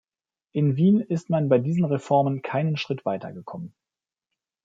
In Wien ist man bei diesen Reformen keinen Schritt weitergekommen.